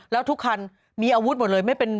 แล้วทุกคันมีอาวุธหมดเลย